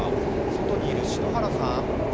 外にいる篠原さん。